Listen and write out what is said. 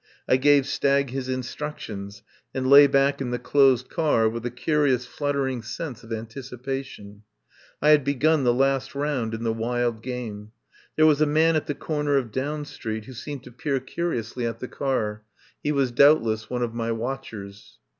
I gave Stagg his instructions, and lay back in the closed car with a curious fluttering sense of anticipation. I had begun the last round in the wild game. There was a man at the cor ner of Down Street who seemed to peer curi 170 I FIND SANCTUARY ously at the car. He was doubtless one of my watchers.